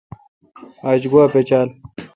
آج گوا پچال۔